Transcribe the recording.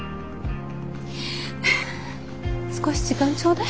少し時間ちょうだい。